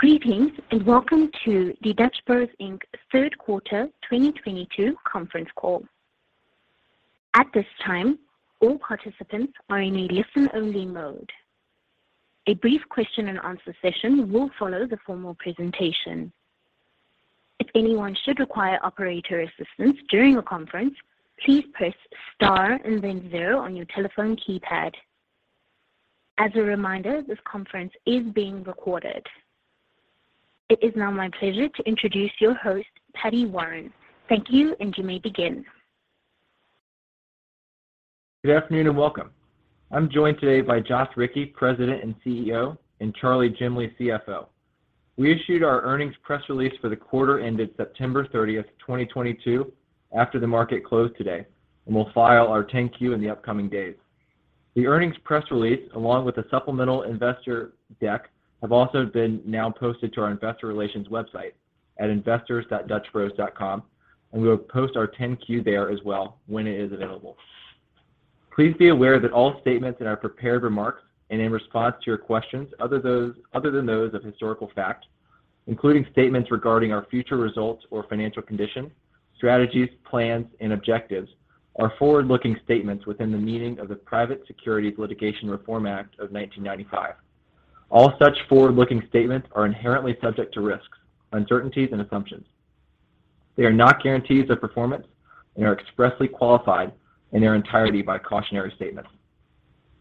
Greetings, and welcome to the Dutch Bros Inc third quarter 2022 conference call. At this time, all participants are in a listen-only mode. A brief question and answer session will follow the formal presentation. If anyone should require operator assistance during the conference, please press star and then zero on your telephone keypad. As a reminder, this conference is being recorded. It is now my pleasure to introduce your host, Paddy Warren. Thank you, and you may begin. Good afternoon, and welcome. I'm joined today by Joth Ricci, President and CEO, and Charley Jemley, CFO. We issued our earnings press release for the quarter ended September 30, 2022 after the market closed today, and we'll file our 10-Q in the upcoming days. The earnings press release, along with the supplemental investor deck, have also been now posted to our investor relations website at investors.dutchbros.com, and we will post our 10-Q there as well when it is available. Please be aware that all statements in our prepared remarks and in response to your questions other than those of historical fact, including statements regarding our future results or financial condition, strategies, plans, and objectives, are forward-looking statements within the meaning of the Private Securities Litigation Reform Act of 1995. All such forward-looking statements are inherently subject to risks, uncertainties, and assumptions. They are not guarantees of performance and are expressly qualified in their entirety by cautionary statements.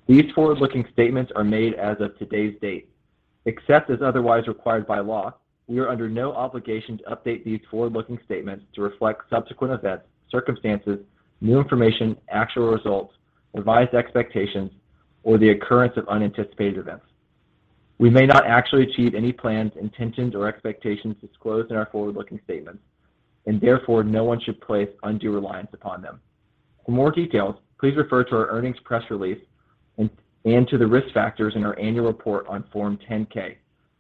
These forward-looking statements are made as of today's date. Except as otherwise required by law, we are under no obligation to update these forward-looking statements to reflect subsequent events, circumstances, new information, actual results, revised expectations, or the occurrence of unanticipated events. We may not actually achieve any plans, intentions, or expectations disclosed in our forward-looking statements, and therefore, no one should place undue reliance upon them. For more details, please refer to our earnings press release and to the risk factors in our annual report on Form 10-K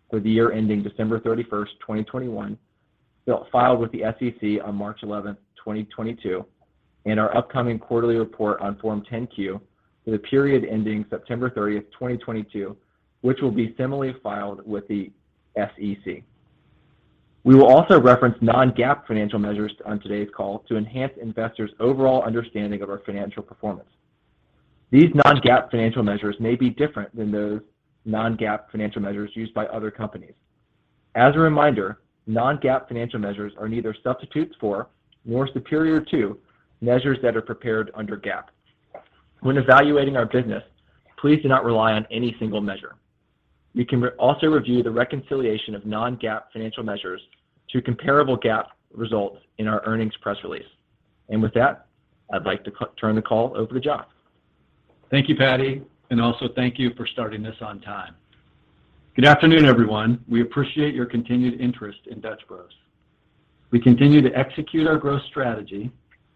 for the year ending December 31, 2021, filed with the SEC on March 11, 2022, and our upcoming quarterly report on Form 10-Q for the period ending September 30, 2022, which will be similarly filed with the SEC. We will also reference non-GAAP financial measures on today's call to enhance investors' overall understanding of our financial performance. These non-GAAP financial measures may be different than those non-GAAP financial measures used by other companies. As a reminder, non-GAAP financial measures are neither substitutes for nor superior to measures that are prepared under GAAP. When evaluating our business, please do not rely on any single measure. You can also review the reconciliation of non-GAAP financial measures to comparable GAAP results in our earnings press release. With that, I'd like to turn the call over to Joth. Thank you, Paddy, and also thank you for starting this on time. Good afternoon, everyone. We appreciate your continued interest in Dutch Bros. We continue to execute our growth strategy,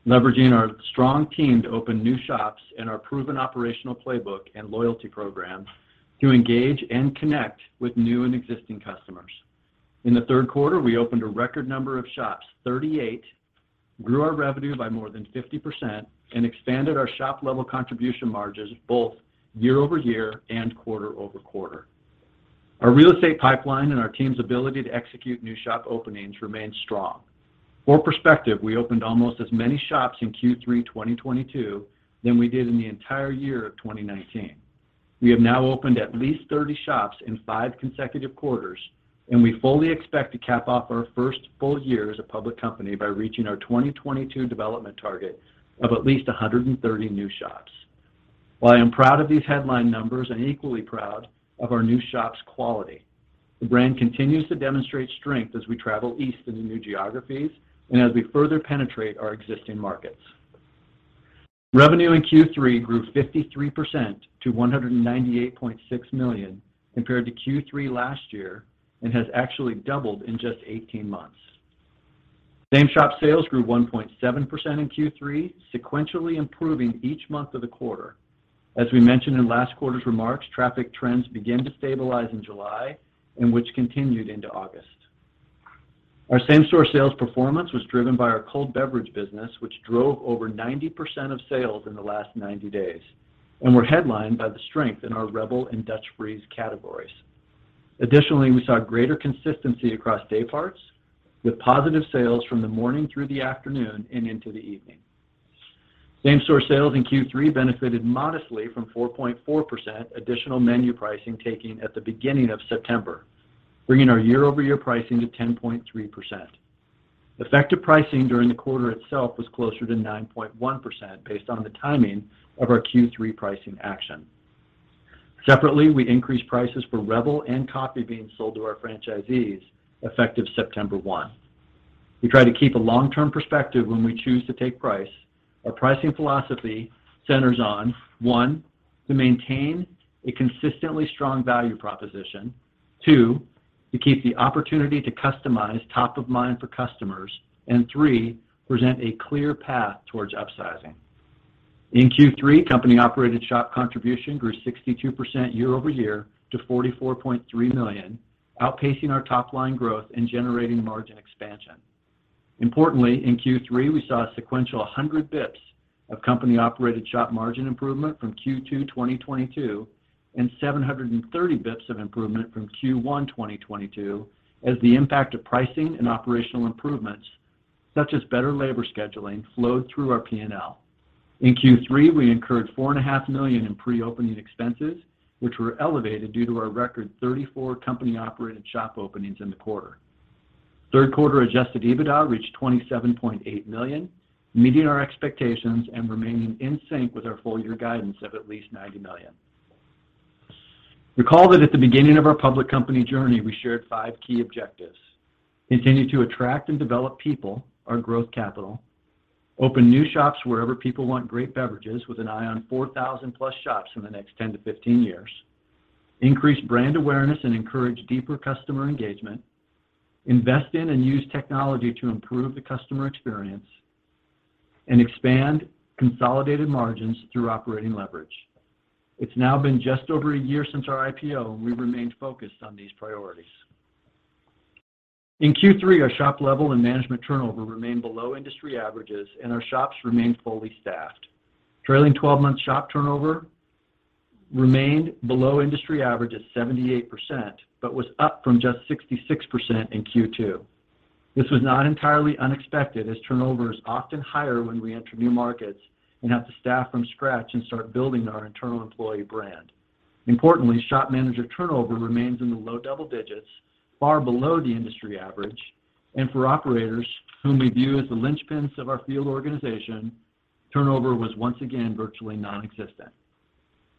leveraging our strong team to open new shops and our proven operational playbook and loyalty program to engage and connect with new and existing customers. In the third quarter, we opened a record number of shops, 38, grew our revenue by more than 50%, and expanded our shop-level contribution margins both year-over-year and quarter-over-quarter. Our real estate pipeline and our team's ability to execute new shop openings remains strong. For perspective, we opened almost as many shops in Q3 2022 than we did in the entire year of 2019. We have now opened at least 30 shops in five consecutive quarters, and we fully expect to cap off our first full year as a public company by reaching our 2022 development target of at least 130 new shops. While I'm proud of these headline numbers, I'm equally proud of our new shops' quality. The brand continues to demonstrate strength as we travel east into new geographies and as we further penetrate our existing markets. Revenue in Q3 grew 53% to $198.6 million compared to Q3 last year and has actually doubled in just 18 months. Same-shop sales grew 1.7% in Q3, sequentially improving each month of the quarter. As we mentioned in last quarter's remarks, traffic trends began to stabilize in July, and which continued into August. Our same-store sales performance was driven by our cold beverage business, which drove over 90% of sales in the last 90 days and were headlined by the strength in our Rebel and Dutch Freeze categories. Additionally, we saw greater consistency across dayparts with positive sales from the morning through the afternoon and into the evening. Same-store sales in Q3 benefited modestly from 4.4% additional menu pricing taking at the beginning of September, bringing our year-over-year pricing to 10.3%. Effective pricing during the quarter itself was closer to 9.1% based on the timing of our Q3 pricing action. Separately, we increased prices for Rebel and coffee beans sold to our franchisees effective September 1. We try to keep a long-term perspective when we choose to take price. Our pricing philosophy centers on, one, to maintain a consistently strong value proposition. Two, to keep the opportunity to customize top of mind for customers. Three, present a clear path towards upsizing. In Q3, company-operated shop contribution grew 62% year-over-year to $44.3 million, outpacing our top line growth and generating margin expansion. Importantly, in Q3, we saw a sequential 100 basis points of company-operated shop margin improvement from Q2 2022 and 730 basis points of improvement from Q1 2022 as the impact of pricing and operational improvements, such as better labor scheduling, flowed through our P&L. In Q3, we incurred $4.5 million in pre-opening expenses, which were elevated due to our record 34 company-operated shop openings in the quarter. Third quarter Adjusted EBITDA reached $27.8 million, meeting our expectations and remaining in sync with our full year guidance of at least $90 million. Recall that at the beginning of our public company journey, we shared five key objectives. Continue to attract and develop people, our growth capital. Open new shops wherever people want great beverages with an eye on 4,000+ shops in the next 10-15 years. Increase brand awareness and encourage deeper customer engagement. Invest in and use technology to improve the customer experience. Expand consolidated margins through operating leverage. It's now been just over a year since our IPO, and we've remained focused on these priorities. In Q3, our shop-level and management turnover remained below industry averages and our shops remained fully staffed. Trailing 12-month shop turnover remained below industry average at 78%, but was up from just 66% in Q2. This was not entirely unexpected as turnover is often higher when we enter new markets and have to staff from scratch and start building our internal employee brand. Importantly, shop manager turnover remains in the low double digits, far below the industry average. For operators whom we view as the linchpins of our field organization, turnover was once again virtually nonexistent.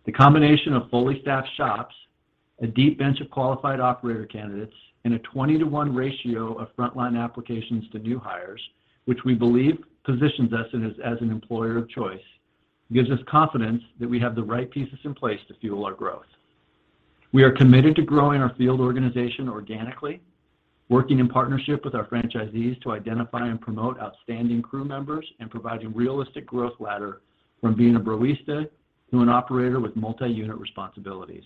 The combination of fully staffed shops, a deep bench of qualified operator candidates, and a 20-to-1 ratio of frontline applications to new hires, which we believe positions us as an employer of choice, gives us confidence that we have the right pieces in place to fuel our growth. We are committed to growing our field organization organically, working in partnership with our franchisees to identify and promote outstanding crew members and providing realistic growth ladder from being a barista to an operator with multi-unit responsibilities.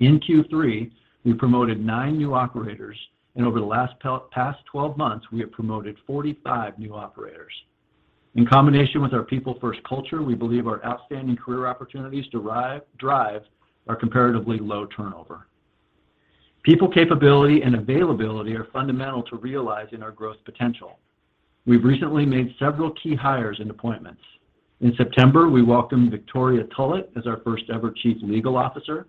In Q3, we promoted nine new operators, and over the past 12 months, we have promoted 45 new operators. In combination with our people first culture, we believe our outstanding career opportunities drive our comparatively low turnover. People capability and availability are fundamental to realizing our growth potential. We've recently made several key hires and appointments. In September, we welcomed Victoria Tullett as our first ever Chief Legal Officer.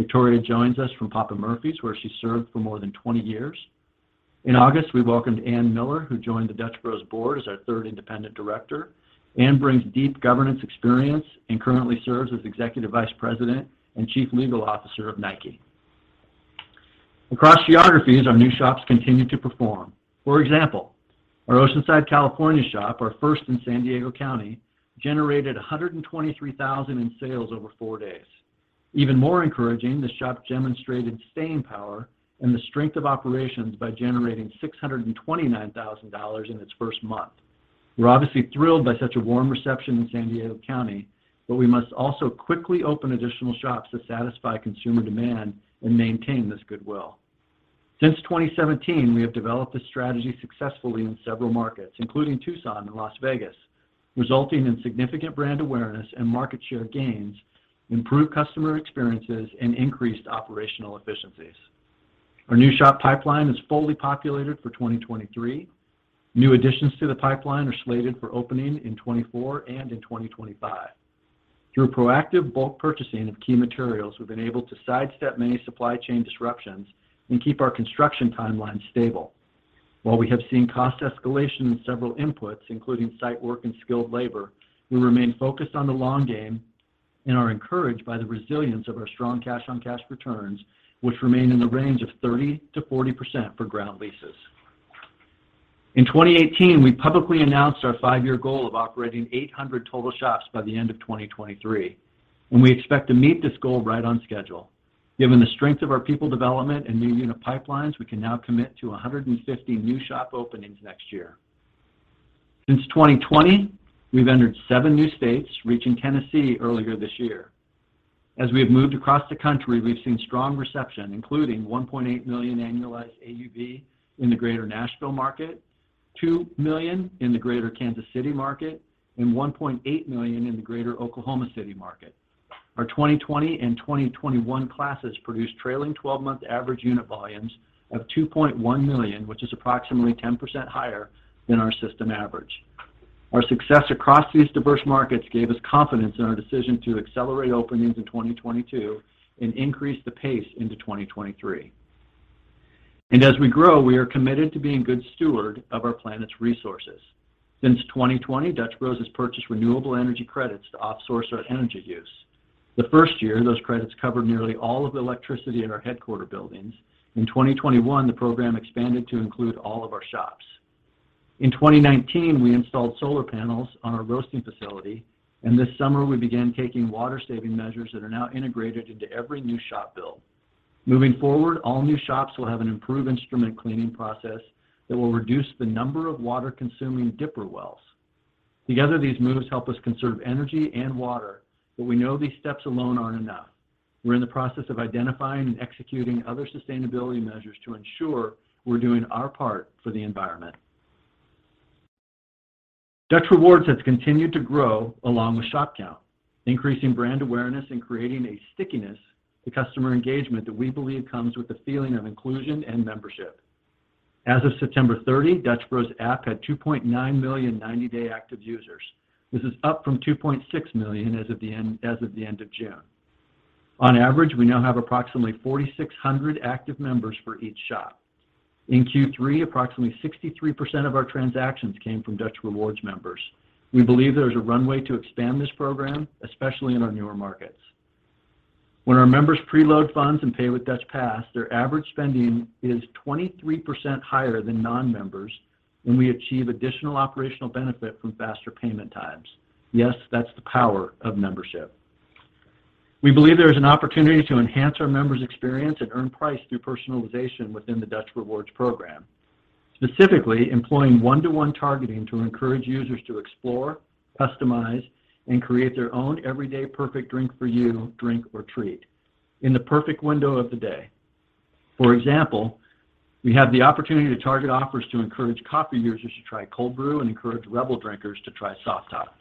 Victoria joins us from Papa Murphy's, where she served for more than 20 years. In August, we welcomed Ann Miller, who joined the Dutch Bros board as our third independent director. Ann brings deep governance experience and currently serves as Executive Vice President and Chief Legal Officer of NIKE. Across geographies, our new shops continue to perform. For example, our Oceanside, California shop, our first in San Diego County, generated $123,000 in sales over four days. Even more encouraging, the shop demonstrated staying power and the strength of operations by generating $629,000 in its first month. We're obviously thrilled by such a warm reception in San Diego County, but we must also quickly open additional shops to satisfy consumer demand and maintain this goodwill. Since 2017, we have developed this strategy successfully in several markets, including Tucson and Las Vegas, resulting in significant brand awareness and market share gains, improved customer experiences, and increased operational efficiencies. Our new shop pipeline is fully populated for 2023. New additions to the pipeline are slated for opening in 2024 and in 2025. Through proactive bulk purchasing of key materials, we've been able to sidestep many supply chain disruptions and keep our construction timeline stable. While we have seen cost escalation in several inputs, including site work and skilled labor, we remain focused on the long game and are encouraged by the resilience of our strong cash-on-cash returns, which remain in the range of 30%-40% for ground leases. In 2018, we publicly announced our five-year goal of operating 800 total shops by the end of 2023, and we expect to meet this goal right on schedule. Given the strength of our people development and new unit pipelines, we can now commit to 150 new shop openings next year. Since 2020, we've entered seven new states, reaching Tennessee earlier this year. As we have moved across the country, we've seen strong reception, including $1.8 million annualized AUV in the Greater Nashville market, $2 million in the Greater Kansas City market, and $1.8 million in the Greater Oklahoma City market. Our 2020 and 2021 classes produced trailing 12-month average unit volumes of $2.1 million, which is approximately 10% higher than our system average. Our success across these diverse markets gave us confidence in our decision to accelerate openings in 2022 and increase the pace into 2023. As we grow, we are committed to being good steward of our planet's resources. Since 2020, Dutch Bros has purchased renewable energy credits to offset our energy use. The first year, those credits covered nearly all of the electricity in our headquarters buildings. In 2021, the program expanded to include all of our shops. In 2019, we installed solar panels on our roasting facility, and this summer, we began taking water-saving measures that are now integrated into every new shop build. Moving forward, all new shops will have an improved instrument cleaning process that will reduce the number of water-consuming dipper wells. Together, these moves help us conserve energy and water, but we know these steps alone aren't enough. We're in the process of identifying and executing other sustainability measures to ensure we're doing our part for the environment. Dutch Rewards has continued to grow along with shop count, increasing brand awareness and creating a stickiness to customer engagement that we believe comes with the feeling of inclusion and membership. As of September 30, Dutch Bros app had 2.9 million 90-day active users. This is up from 2.6 million as of the end of June. On average, we now have approximately 4,600 active members for each shop. In Q3, approximately 63% of our transactions came from Dutch Rewards members. We believe there's a runway to expand this program, especially in our newer markets. When our members preload funds and pay with Dutch Pass, their average spending is 23% higher than non-members when we achieve additional operational benefit from faster payment times. Yes, that's the power of membership. We believe there is an opportunity to enhance our members' experience and earn price through personalization within the Dutch Rewards program. Specifically, employing one-to-one targeting to encourage users to explore, customize, and create their own everyday perfect drink for you, drink or treat in the perfect window of the day. For example, we have the opportunity to target offers to encourage coffee users to try Cold Brew and encourage Rebel drinkers to try Soft Top.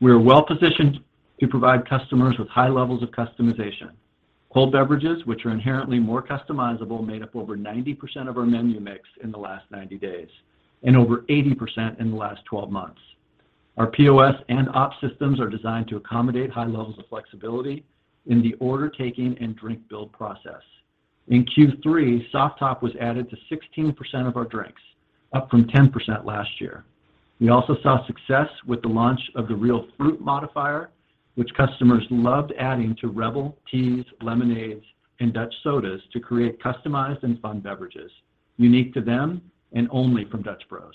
We are well-positioned to provide customers with high levels of customization. Cold beverages, which are inherently more customizable, made up over 90% of our menu mix in the last 90 days and over 80% in the last 12 months. Our POS and ops systems are designed to accommodate high levels of flexibility in the order taking and drink build process. In Q3, Soft Top was added to 16% of our drinks, up from 10% last year. We also saw success with the launch of the Real Fruit modifier, which customers loved adding to Rebel, teas, lemonades, and Dutch Sodas to create customized and fun beverages unique to them and only from Dutch Bros.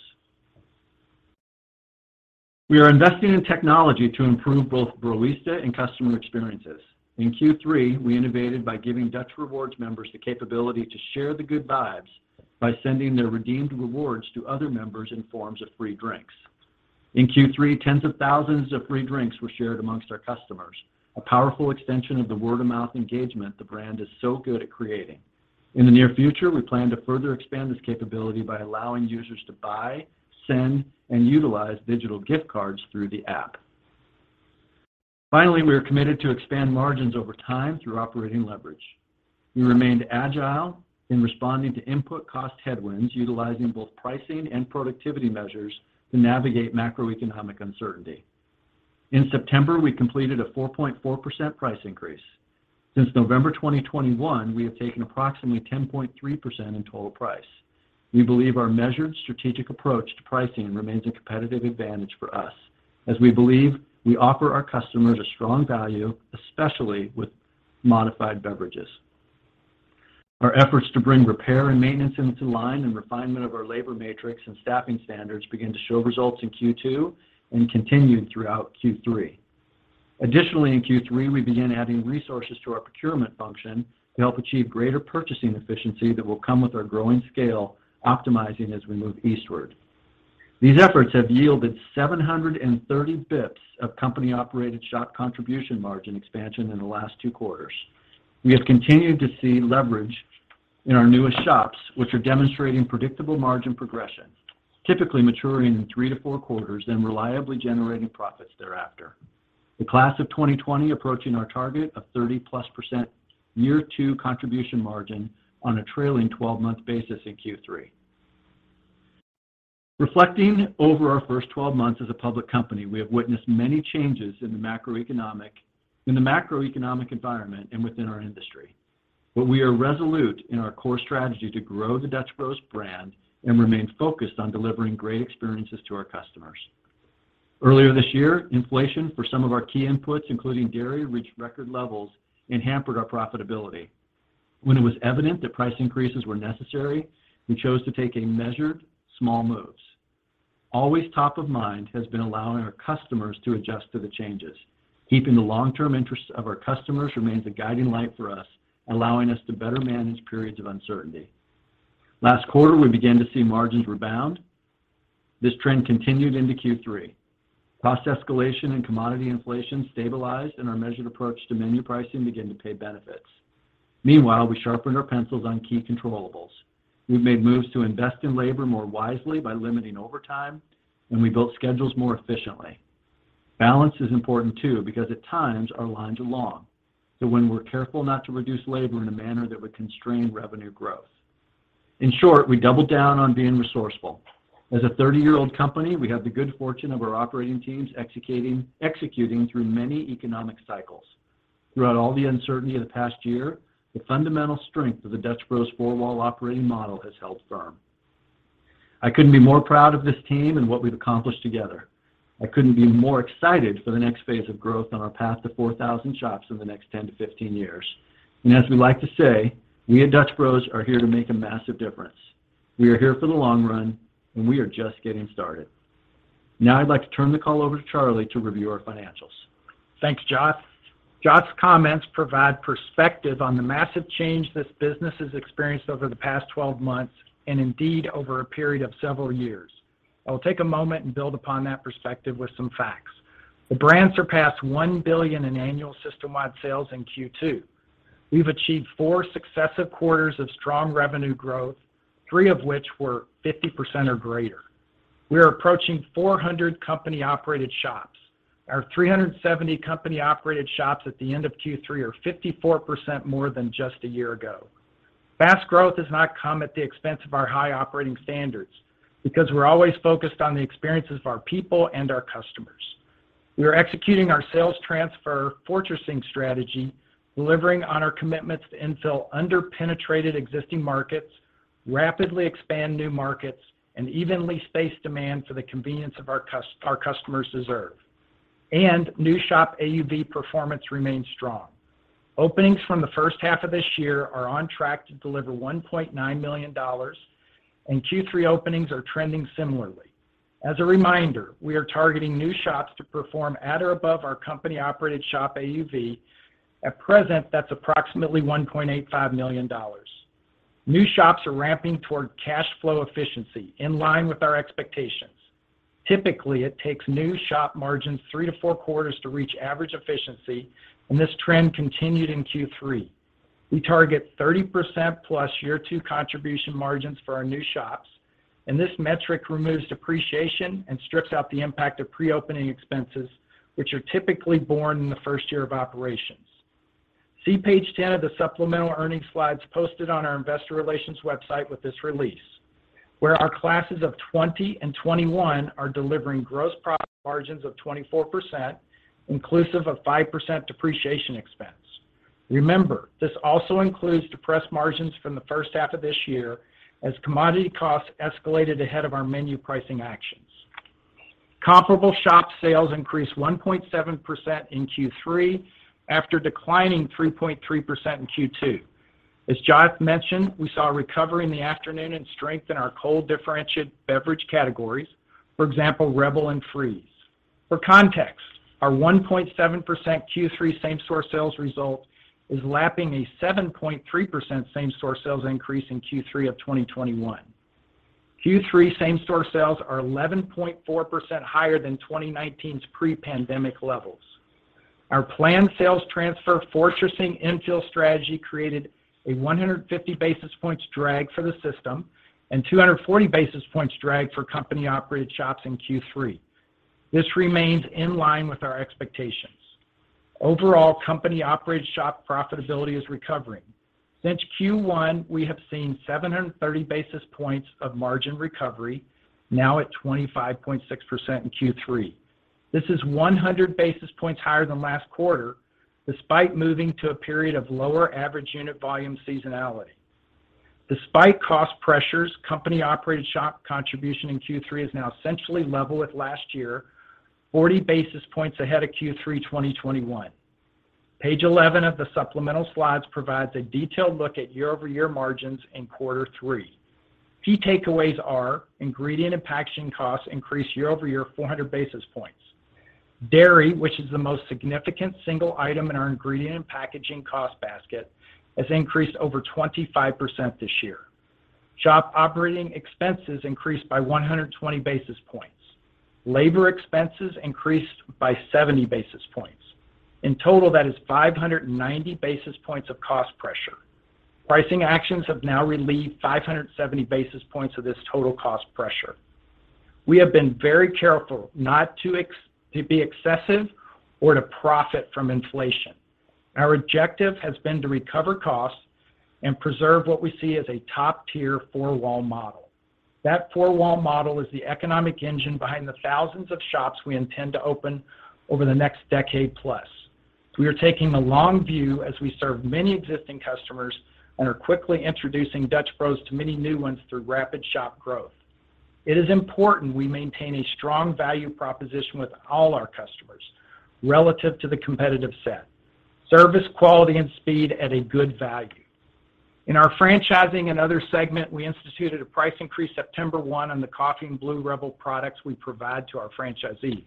We are investing in technology to improve both barista and customer experiences. In Q3, we innovated by giving Dutch Rewards members the capability to share the good vibes by sending their redeemed rewards to other members in forms of free drinks. In Q3, tens of thousands of free drinks were shared amongst our customers, a powerful extension of the word-of-mouth engagement the brand is so good at creating. In the near future, we plan to further expand this capability by allowing users to buy, send, and utilize digital gift cards through the app. Finally, we are committed to expand margins over time through operating leverage. We remained agile in responding to input cost headwinds, utilizing both pricing and productivity measures to navigate macroeconomic uncertainty. In September, we completed a 4.4% price increase. Since November 2021, we have taken approximately 10.3% in total price. We believe our measured strategic approach to pricing remains a competitive advantage for us as we believe we offer our customers a strong value, especially with modified beverages. Our efforts to bring repair and maintenance into line and refinement of our labor matrix and staffing standards began to show results in Q2 and continued throughout Q3. Additionally, in Q3, we began adding resources to our procurement function to help achieve greater purchasing efficiency that will come with our growing scale, optimizing as we move eastward. These efforts have yielded 730 basis points of company-operated shop contribution margin expansion in the last two quarters. We have continued to see leverage in our newest shops, which are demonstrating predictable margin progression, typically maturing in three to four quarters, then reliably generating profits thereafter. The class of 2020 approaching our target of 30%+ year 2 contribution margin on a trailing 12-month basis in Q3. Reflecting over our first 12 months as a public company, we have witnessed many changes in the macroeconomic environment and within our industry. We are resolute in our core strategy to grow the Dutch Bros brand and remain focused on delivering great experiences to our customers. Earlier this year, inflation for some of our key inputs, including dairy, reached record levels and hampered our profitability. When it was evident that price increases were necessary, we chose to take measured small moves. Always top of mind has been allowing our customers to adjust to the changes. Keeping the long-term interest of our customers remains a guiding light for us, allowing us to better manage periods of uncertainty. Last quarter, we began to see margins rebound. This trend continued into Q3. Cost escalation and commodity inflation stabilized, and our measured approach to menu pricing began to pay benefits. Meanwhile, we sharpened our pencils on key controllables. We've made moves to invest in labor more wisely by limiting overtime, and we built schedules more efficiently. Balance is important too because at times our lines are long. When we're careful not to reduce labor in a manner that would constrain revenue growth. In short, we doubled down on being resourceful. As a 30-year-old company, we have the good fortune of our operating teams executing through many economic cycles. Throughout all the uncertainty of the past year, the fundamental strength of the Dutch Bros four-wall operating model has held firm. I couldn't be more proud of this team and what we've accomplished together. I couldn't be more excited for the next phase of growth on our path to 4,000 shops in the next 10-15 years. As we like to say, we at Dutch Bros are here to make a massive difference. We are here for the long run, and we are just getting started. Now I'd like to turn the call over to Charley to review our financials. Thanks, Joth. Joth's comments provide perspective on the massive change this business has experienced over the past 12 months and indeed over a period of several years. I will take a moment and build upon that perspective with some facts. The brand surpassed $1 billion in annual systemwide sales in Q2. We've achieved four successive quarters of strong revenue growth, three of which were 50% or greater. We are approaching 400 company-operated shops. Our 370 company-operated shops at the end of Q3 are 54% more than just a year ago. Fast growth has not come at the expense of our high operating standards because we're always focused on the experiences of our people and our customers. We are executing our sales transfer fortressing strategy, delivering on our commitments to infill under-penetrated existing markets, rapidly expand new markets, and evenly space demand for the convenience of our customers deserve. New shop AUV performance remains strong. Openings from the first half of this year are on track to deliver $1.9 million, and Q3 openings are trending similarly. As a reminder, we are targeting new shops to perform at or above our company-operated shop AUV. At present, that's approximately $1.85 million. New shops are ramping toward cash flow efficiency in line with our expectations. Typically, it takes new shop margins three to four quarters to reach average efficiency, and this trend continued in Q3. We target 30%+ year two contribution margins for our new shops, and this metric removes depreciation and strips out the impact of pre-opening expenses, which are typically borne in the first year of operations. See page 10 of the supplemental earnings slides posted on our investor relations website with this release, where our classes of 2020 and 2021 are delivering gross profit margins of 24%, inclusive of 5% depreciation expense. Remember, this also includes depressed margins from the first half of this year as commodity costs escalated ahead of our menu pricing actions. Comparable shop sales increased 1.7% in Q3 after declining 3.3% in Q2. As Joth mentioned, we saw a recovery in the afternoon and strength in our cold differentiated beverage categories. For example, Rebel and Freeze. For context, our 1.7% Q3 same-store sales result is lapping a 7.3% same-store sales increase in Q3 of 2021. Q3 same-store sales are 11.4% higher than 2019's pre-pandemic levels. Our planned sales transfer fortressing infill strategy created a 150 basis points drag for the system and 240 basis points drag for company-operated shops in Q3. This remains in line with our expectations. Overall, company-operated shop profitability is recovering. Since Q1, we have seen 730 basis points of margin recovery, now at 25.6% in Q3. This is 100 basis points higher than last quarter, despite moving to a period of lower average unit volume seasonality. Despite cost pressures, company-operated shop contribution in Q3 is now essentially level with last year, 40 basis points ahead of Q3 2021. Page 11 of the supplemental slides provides a detailed look at year-over-year margins in quarter three. Key takeaways are ingredient and packaging costs increased year-over-year 400 basis points. Dairy, which is the most significant single item in our ingredient and packaging cost basket, has increased over 25% this year. Shop operating expenses increased by 120 basis points. Labor expenses increased by 70 basis points. In total, that is 590 basis points of cost pressure. Pricing actions have now relieved 570 basis points of this total cost pressure. We have been very careful not to be excessive or to profit from inflation. Our objective has been to recover costs and preserve what we see as a top-tier four-wall model. That four-wall model is the economic engine behind the thousands of shops we intend to open over the next decade plus. We are taking the long view as we serve many existing customers and are quickly introducing Dutch Bros to many new ones through rapid shop growth. It is important we maintain a strong value proposition with all our customers relative to the competitive set. Service, quality, and speed at a good value. In our franchising and other segment, we instituted a price increase September 1 on the coffee and Blue Rebel products we provide to our franchisees.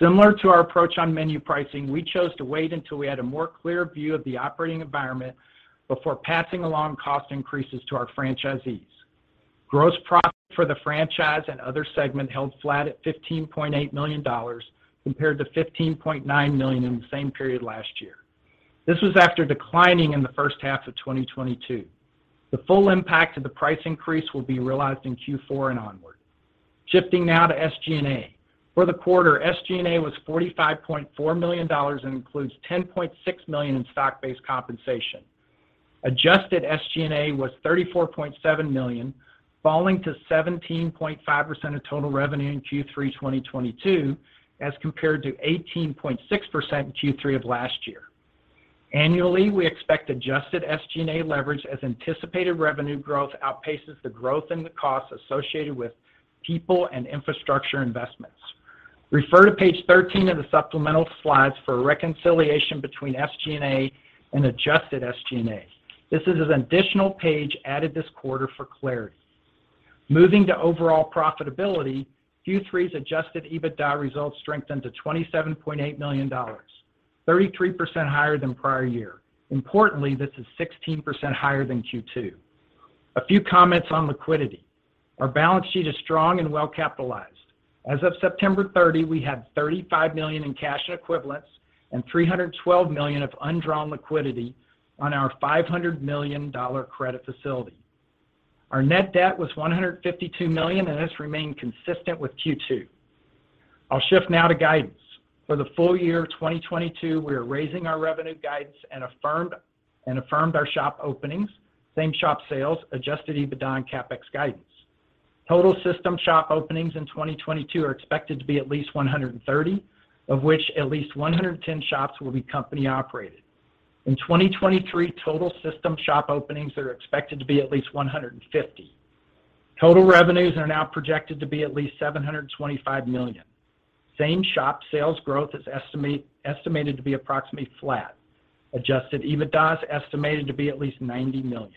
Similar to our approach on menu pricing, we chose to wait until we had a more clear view of the operating environment before passing along cost increases to our franchisees. Gross profit for the franchise and other segment held flat at $15.8 million compared to $15.9 million in the same period last year. This was after declining in the first half of 2022. The full impact of the price increase will be realized in Q4 and onward. Shifting now to SG&A. For the quarter, SG&A was $45.4 million and includes $10.6 million in stock-based compensation. Adjusted SG&A was $34.7 million, falling to 17.5% of total revenue in Q3 2022 as compared to 18.6% in Q3 of last year. Annually, we expect adjusted SG&A leverage as anticipated revenue growth outpaces the growth in the costs associated with people and infrastructure investments. Refer to page 13 of the supplemental slides for a reconciliation between SG&A and adjusted SG&A. This is an additional page added this quarter for clarity. Moving to overall profitability, Q3's Adjusted EBITDA results strengthened to $27.8 million, 33% higher than prior year. Importantly, this is 16% higher than Q2. A few comments on liquidity. Our balance sheet is strong and well capitalized. As of September 30, we had $35 million in cash equivalents and $312 million of undrawn liquidity on our $500 million credit facility. Our net debt was $152 million, and this remained consistent with Q2. I'll shift now to guidance. For the full year 2022, we are raising our revenue guidance and affirmed our shop openings, same shop sales, Adjusted EBITDA and CapEx guidance. Total system shop openings in 2022 are expected to be at least 130, of which at least 110 shops will be company-operated. In 2023, total system shop openings are expected to be at least 150. Total revenues are now projected to be at least $725 million. Same shop sales growth is estimated to be approximately flat. Adjusted EBITDA is estimated to be at least $90 million.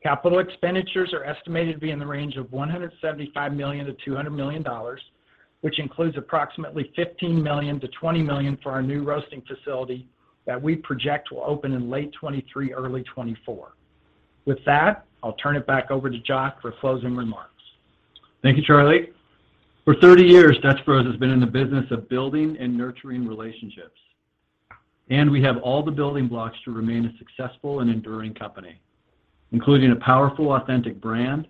Capital expenditures are estimated to be in the range of $175 million-$200 million, which includes approximately $15 million-$20 million for our new roasting facility that we project will open in late 2023, early 2024. With that, I'll turn it back over to Joth for closing remarks. Thank you, Charley. For 30 years, Dutch Bros has been in the business of building and nurturing relationships, and we have all the building blocks to remain a successful and enduring company, including a powerful, authentic brand,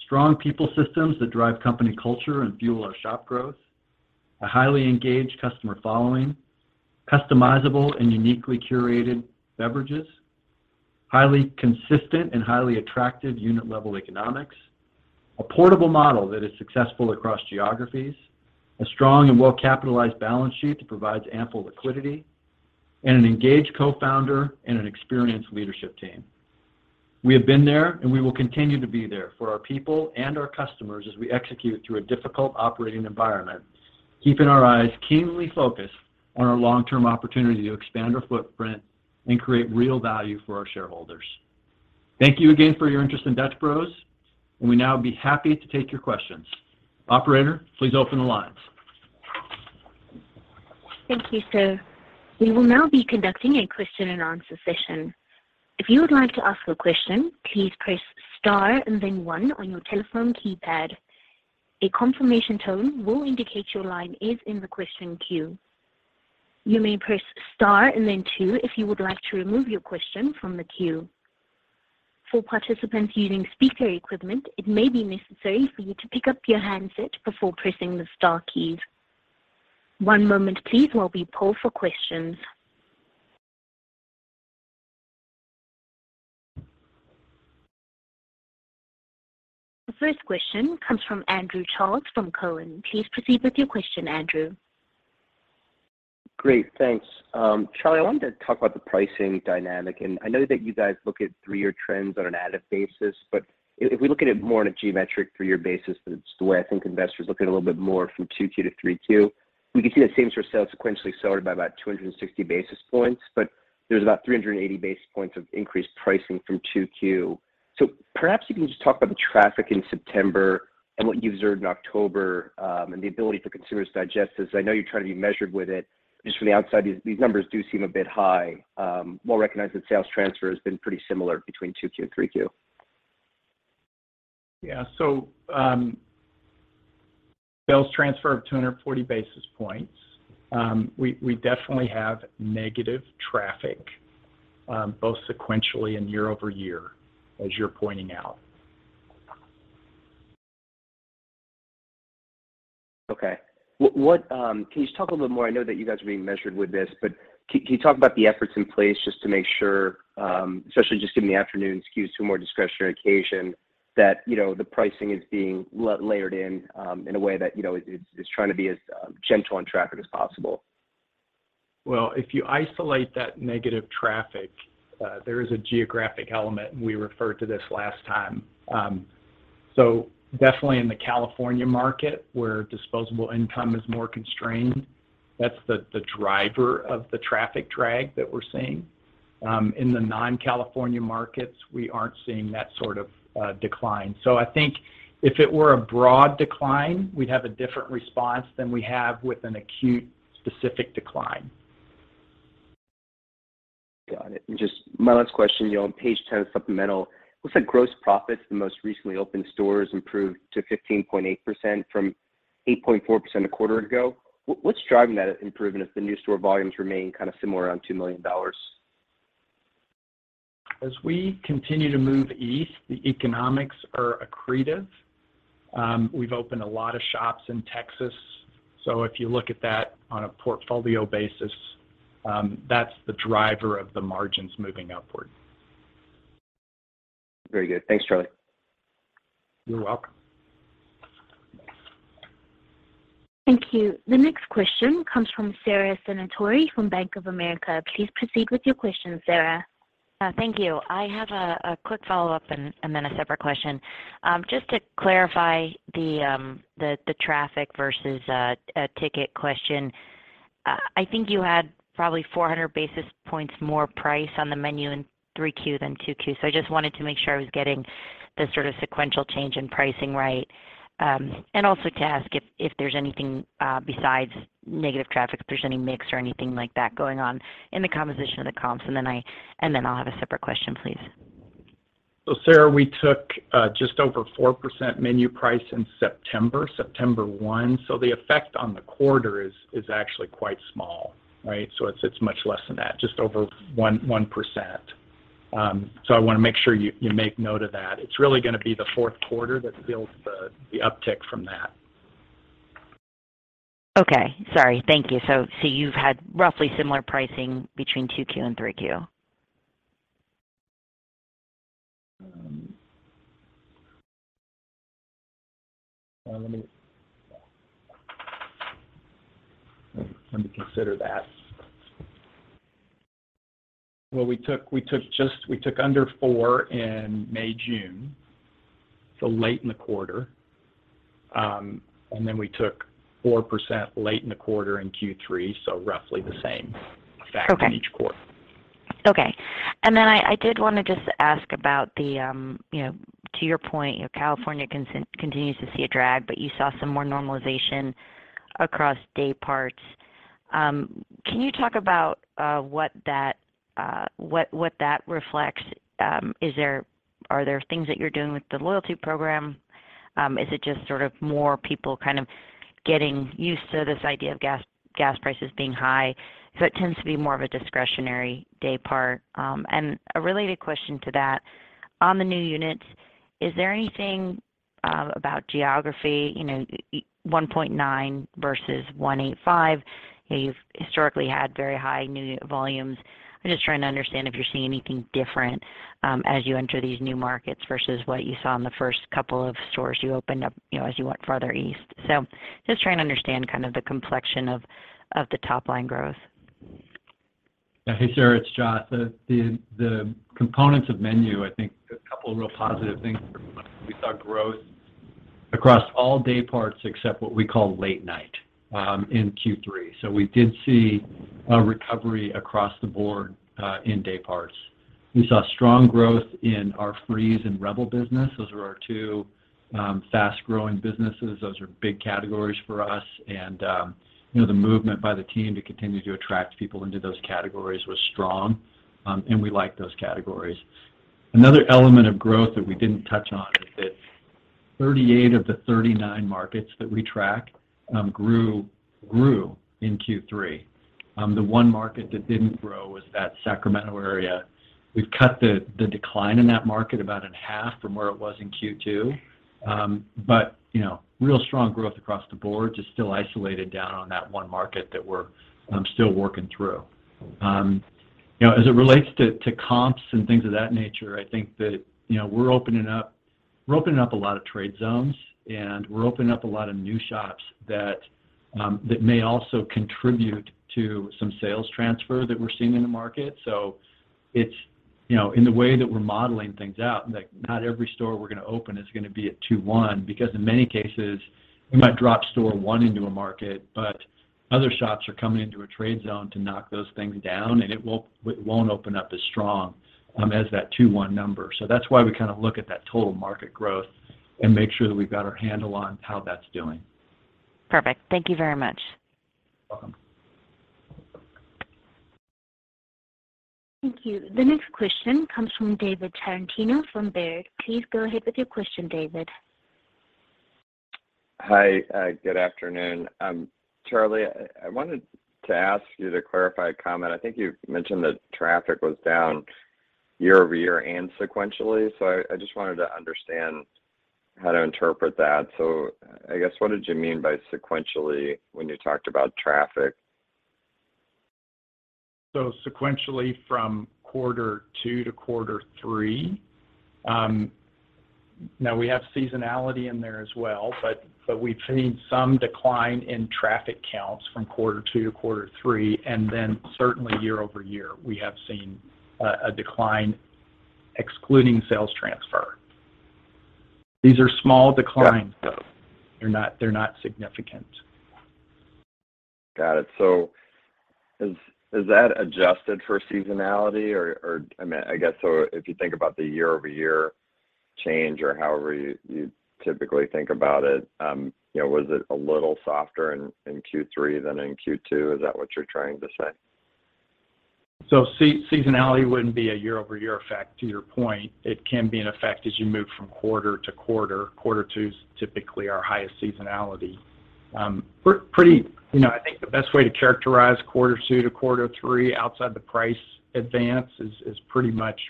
strong people systems that drive company culture and fuel our shop growth, a highly engaged customer following, customizable and uniquely curated beverages, highly consistent and highly attractive unit level economics, a portable model that is successful across geographies, a strong and well capitalized balance sheet that provides ample liquidity, and an engaged co-founder and an experienced leadership team. We have been there, and we will continue to be there for our people and our customers as we execute through a difficult operating environment, keeping our eyes keenly focused on our long-term opportunity to expand our footprint and create real value for our shareholders. Thank you again for your interest in Dutch Bros, and we now would be happy to take your questions. Operator, please open the lines. Thank you, sir. We will now be conducting a question and answer session. If you would like to ask a question, please press star and then one on your telephone keypad. A confirmation tone will indicate your line is in the question queue. You may press star and then two if you would like to remove your question from the queue. For participants using speaker equipment, it may be necessary for you to pick up your handset before pressing the star key. One moment please while we poll for questions. The first question comes from Andrew Charles from Cowen. Please proceed with your question, Andrew. Great. Thanks. Charley, I wanted to talk about the pricing dynamic, and I know that you guys look at three year trends on an added basis, but if we look at it more on a geometric three year basis, that it's the way I think investors look at a little bit more from 2Q to 3Q, we can see that same-store sales sequentially accelerated by about 260 basis points. There's about 380 basis points of increased pricing from 2Q. Perhaps you can just talk about the traffic in September and what you observed in October, and the ability for consumers to digest this. I know you're trying to be measured with it. Just from the outside, these numbers do seem a bit high. While recognizing sales trend has been pretty similar between 2Q and 3Q. Yeah. Sales transfer of 240 basis points, we definitely have negative traffic, both sequentially and year-over-year, as you're pointing out. Okay. What can you just talk a little bit more? I know that you guys are being measured with this, but can you talk about the efforts in place just to make sure, especially just in the afternoons, skews to a more discretionary occasion that, you know, the pricing is being layered in a way that, you know, it's trying to be as gentle on traffic as possible. Well, if you isolate that negative traffic, there is a geographic element, and we referred to this last time. Definitely in the California market where disposable income is more constrained, that's the driver of the traffic drag that we're seeing. In the non-California markets, we aren't seeing that sort of decline. I think if it were a broad decline, we'd have a different response than we have with an acute specific decline. Got it. Just my last question, you know, on page 10 supplemental, it looks like gross profits in the most recently opened stores improved to 15.8% from 8.4% a quarter ago. What's driving that improvement as the new store volumes remain kind of similar around $2 million? As we continue to move east, the economics are accretive. We've opened a lot of shops in Texas. If you look at that on a portfolio basis, that's the driver of the margins moving upward. Very good. Thanks, Charley. You're welcome. Thank you. The next question comes from Sara Senatore from Bank of America. Please proceed with your question, Sara. Thank you. I have a quick follow-up and then a separate question. Just to clarify the traffic versus a ticket question. I think you had probably 400 basis points more price on the menu in 3Q than 2Q. I just wanted to make sure I was getting the sort of sequential change in pricing right. And also to ask if there's anything besides negative traffic, if there's any mix or anything like that going on in the composition of the comps, and then I'll have a separate question, please. Sarah, we took just over 4% menu price in September 1. The effect on the quarter is actually quite small, right? It's much less than that, just over 1%. I wanna make sure you make note of that. It's really gonna be the fourth quarter that builds the uptick from that. Okay. Sorry. Thank you. You've had roughly similar pricing between 2Q and 3Q? Let me consider that. Well, we took just under 4% in May, June, so late in the quarter. We took 4% late in the quarter in Q3, so roughly the same. Okay effect in each quarter. Okay. I did want to just ask about the, you know, to your point, you know, California continues to see a drag, but you saw some more normalization across dayparts. Can you talk about what that reflects? Are there things that you're doing with the loyalty program? Is it just sort of more people kind of getting used to this idea of gas prices being high, so it tends to be more of a discretionary day part? A related question to that, on the new units, is there anything about geography, you know, AUV $1.9 million versus $1.85 million? You've historically had very high new unit volumes. I'm just trying to understand if you're seeing anything different, as you enter these new markets versus what you saw in the first couple of stores you opened up, you know, as you went farther east. Just trying to understand kind of the complexion of the top line growth. Yeah. Hey, Sara, it's Joth. The components of menu, I think a couple of real positive things we saw growth across all dayparts except what we call late night in Q3. We did see a recovery across the board in dayparts. We saw strong growth in our Freeze and Rebel business. Those are our two fast growing businesses. Those are big categories for us and you know, the movement by the team to continue to attract people into those categories was strong and we like those categories. Another element of growth that we didn't touch on is that 38 of the 39 markets that we track grew in Q3. The one market that didn't grow was that Sacramento area. We've cut the decline in that market about in half from where it was in Q2. You know, real strong growth across the board, just still isolated down on that one market that we're still working through. You know, as it relates to comps and things of that nature, I think that, you know, we're opening up a lot of trade zones, and we're opening up a lot of new shops that may also contribute to some sales transfer that we're seeing in the market. It's, you know, in the way that we're modeling things out, like, not every store we're gonna open is gonna be a $2.1 million because in many cases, we might drop store one into a market, but other shops are coming into a trade zone to knock those things down, and it won't open up as strong as that $2.1 million number. That's why we kinda look at that total market growth and make sure that we've got our handle on how that's doing. Perfect. Thank you very much. Welcome. Thank you. The next question comes from David Tarantino from Baird. Please go ahead with your question, David. Hi. Good afternoon. Charley, I wanted to ask you to clarify a comment. I think you mentioned that traffic was down year-over-year and sequentially. I just wanted to understand how to interpret that. I guess, what did you mean by sequentially when you talked about traffic? Sequentially from quarter two to quarter three, now we have seasonality in there as well, but we've seen some decline in traffic counts from quarter two to quarter three, and then certainly year-over-year, we have seen a decline excluding sales transfer. These are small declines. Got it. Got it. They're not significant. Got it. Is that adjusted for seasonality or, I guess, so if you think about the year-over-year change or however you typically think about it, you know, was it a little softer in Q3 than in Q2? Is that what you're trying to say? Seasonality wouldn't be a year-over-year effect to your point. It can be an effect as you move from quarter to quarter. Quarter two is typically our highest seasonality. You know, I think the best way to characterize quarter two to quarter three outside the price advance is pretty much,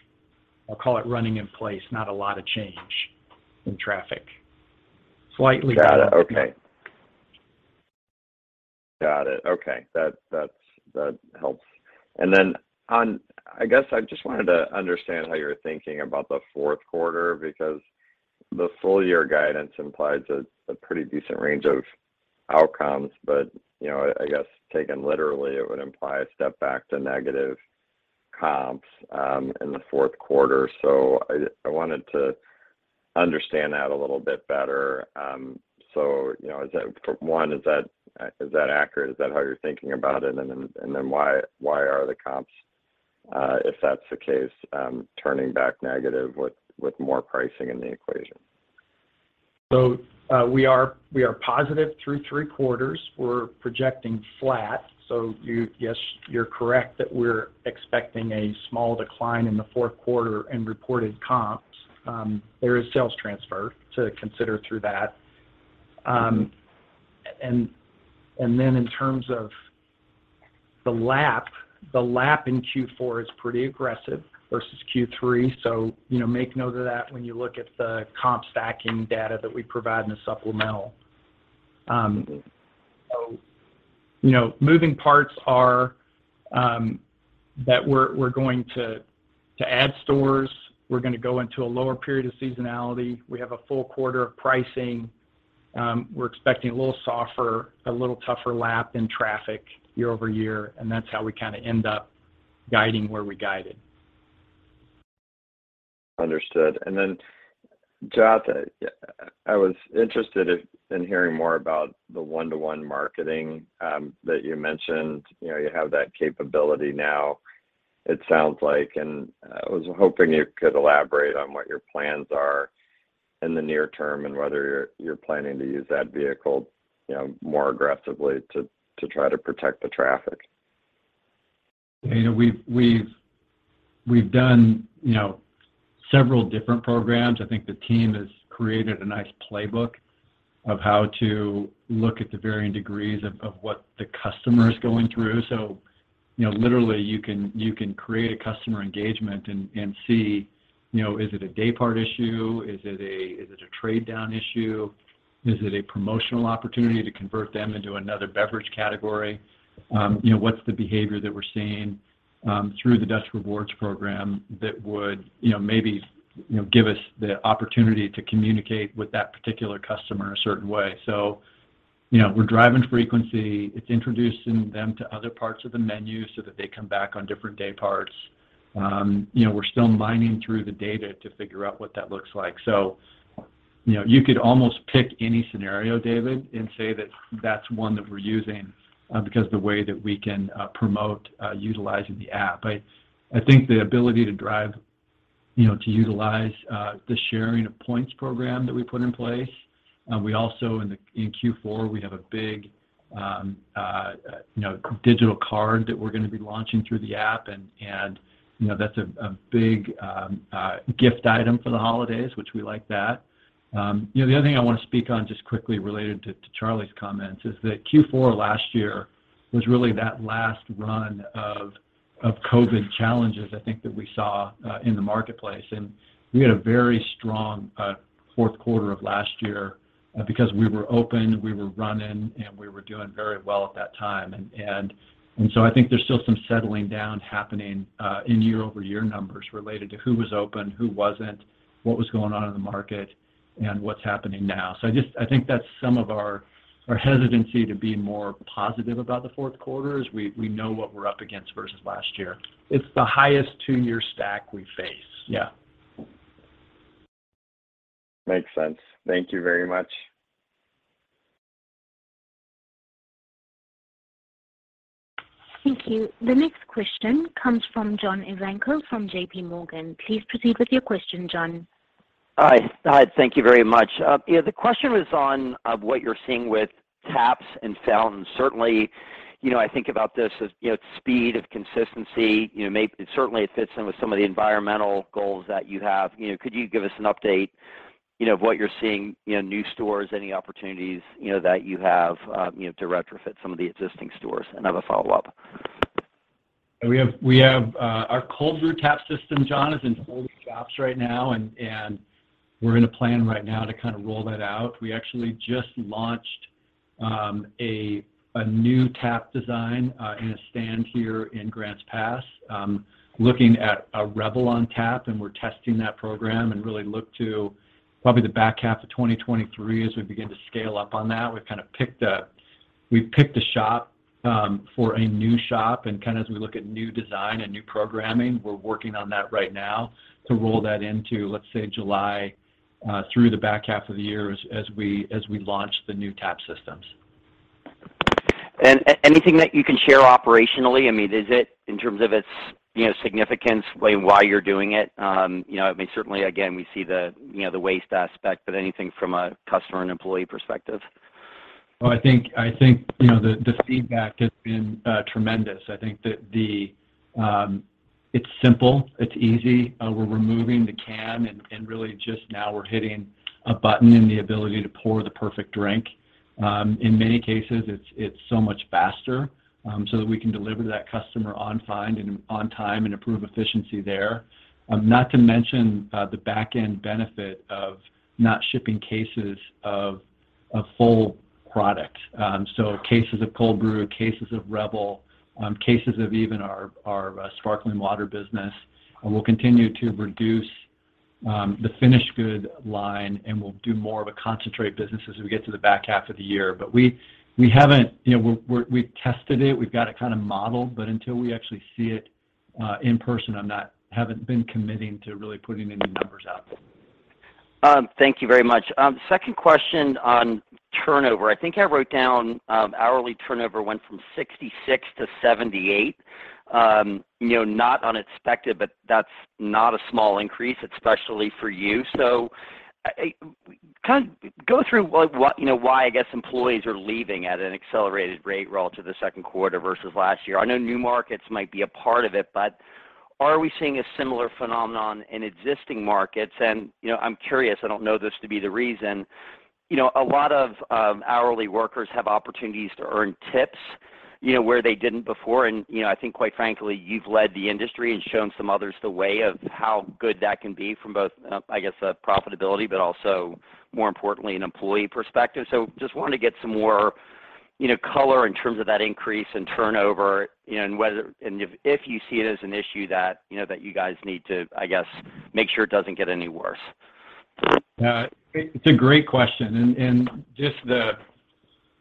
I'll call it running in place, not a lot of change in traffic. Slightly Got it. Okay. That helps. I guess I just wanted to understand how you're thinking about the fourth quarter because the full year guidance implies a pretty decent range of outcomes. You know, I guess taken literally, it would imply a step back to negative comps in the fourth quarter. I wanted to understand that a little bit better. You know, is that for one, is that accurate? Is that how you're thinking about it? Why are the comps, if that's the case, turning back negative with more pricing in the equation? We are positive through three quarters. We're projecting flat. Yes, you're correct that we're expecting a small decline in the fourth quarter in reported comps. There is sales transfer to consider through that. Then in terms of the lap, the lap in Q4 is pretty aggressive versus Q3. You know, make note of that when you look at the comp stacking data that we provide in the supplemental. You know, moving parts are that we're going to add stores. We're gonna go into a lower period of seasonality. We have a full quarter of pricing. We're expecting a little softer, a little tougher lap in traffic year-over-year, and that's how we kinda end up guiding where we guided. Understood. Joth, I was interested in hearing more about the one-to-one marketing that you mentioned. You know, you have that capability now, it sounds like, and I was hoping you could elaborate on what your plans are in the near term, and whether you're planning to use that vehicle, you know, more aggressively to try to protect the traffic. You know, we've done, you know, several different programs. I think the team has created a nice playbook of how to look at the varying degrees of what the customer is going through. You know, literally you can create a customer engagement and see, you know, is it a day part issue? Is it a trade down issue? Is it a promotional opportunity to convert them into another beverage category? You know, what's the behavior that we're seeing through the Dutch Rewards program that would, you know, maybe give us the opportunity to communicate with that particular customer a certain way? You know, we're driving frequency. It's introducing them to other parts of the menu so that they come back on different dayparts. You know, we're still mining through the data to figure out what that looks like. You know, you could almost pick any scenario, David, and say that that's one that we're using, because the way that we can promote utilizing the app. I think the ability to drive, you know, to utilize the sharing of points program that we put in place. We also, in Q4, have a big, you know, digital card that we're gonna be launching through the app, and, you know, that's a big gift item for the holidays, which we like that. You know, the other thing I wanna speak on just quickly related to Charley's comments is that Q4 last year was really that last run of COVID challenges I think that we saw in the marketplace. We had a very strong fourth quarter of last year because we were open, we were running, and we were doing very well at that time. I think there's still some settling down happening in year-over-year numbers related to who was open, who wasn't, what was going on in the market, and what's happening now. I think that's some of our hesitancy to be more positive about the fourth quarter is we know what we're up against versus last year. It's the highest two-year stack we face. Yeah. Makes sense. Thank you very much. Thank you. The next question comes from John Ivankoe from JPMorgan. Please proceed with your question, John. Hi. Thank you very much. Yeah, the question was on, of what you're seeing with taps and fountains. Certainly, you know, I think about this as, you know, speed of consistency. You know, certainly it fits in with some of the environmental goals that you have. You know, could you give us an update, you know, of what you're seeing in new stores, any opportunities, you know, that you have, you know, to retrofit some of the existing stores? I have a follow-up. We have our Cold Brew tap system, John Ivankoe, is in 40 shops right now and we're in a plan right now to kind of roll that out. We actually just launched a new tap design in a stand here in Grants Pass, looking at a Rebel on tap, and we're testing that program and really look to probably the back half of 2023 as we begin to scale up on that. We've picked a shop for a new shop, and kinda as we look at new design and new programming, we're working on that right now to roll that into, let's say, July through the back half of the year as we launch the new tap systems. Anything that you can share operationally? I mean, is it, in terms of its, you know, significance, why you're doing it? You know, I mean, certainly again, we see the, you know, the waste aspect, but anything from a customer and employee perspective? I think you know the feedback has been tremendous. I think that it's simple, it's easy. We're removing the can and really just now we're hitting a button and the ability to pour the perfect drink. In many cases, it's so much faster, so that we can deliver to that customer on fine and on time and improve efficiency there. Not to mention the back end benefit of not shipping cases of a full product. So cases of Cold Brew, cases of Rebel, cases of even our sparkling water business will continue to reduce the finished good line, and we'll do more of a concentrate business as we get to the back half of the year. We haven't. We've tested it. We've got it kind of modeled, but until we actually see it in person, I haven't been committing to really putting any numbers out. Thank you very much. Second question on turnover. I think I wrote down hourly turnover went from 66% to 78%. You know, not unexpected, but that's not a small increase, especially for you. Kind of go through what you know, why, I guess, employees are leaving at an accelerated rate relative to the second quarter versus last year. I know new markets might be a part of it, but are we seeing a similar phenomenon in existing markets? You know, I'm curious, I don't know this to be the reason. You know, a lot of hourly workers have opportunities to earn tips where they didn't before. You know, I think quite frankly, you've led the industry and shown some others the way of how good that can be from both, I guess, a profitability, but also more importantly, an employee perspective. Just wanted to get some more, you know, color in terms of that increase in turnover, you know, and whether if you see it as an issue that, you know, that you guys need to, I guess, make sure it doesn't get any worse. It's a great question. Just